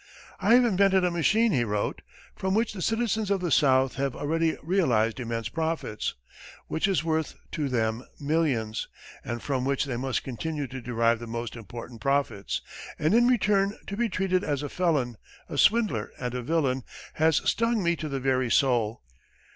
"I have invented a machine," he wrote, "from which the citizens of the South have already realized immense profits, which is worth to them millions, and from which they must continue to derive the most important profits, and in return to be treated as a felon, a swindler, and a villain, has stung me to the very soul.